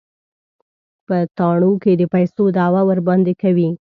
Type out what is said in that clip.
په تاڼو کې د پيسو دعوه ورباندې کوي.